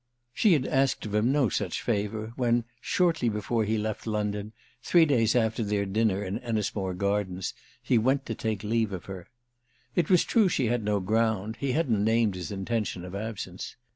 She had asked of him no such favour when, shortly before he left London, three days after their dinner in Ennismore Gardens, he went to take leave of her. It was true she had had no ground—he hadn't named his intention of absence.